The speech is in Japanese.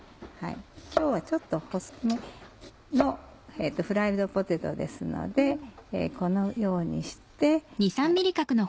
今日はちょっと細めのフライドポテトですのでこのようにして。